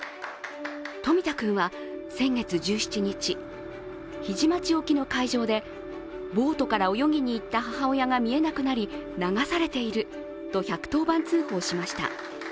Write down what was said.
冨田君は先月１７日、日出町沖の海上でボートから泳ぎにいった母親が見えなくなり、流されていると１１０番通報しました。